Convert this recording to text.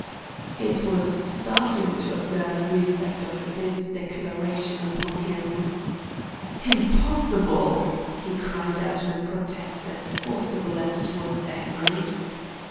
It was startling to observe the effect of this declaration upon him. "Impossible!" he cried out in a protest as forcible as it was agonized.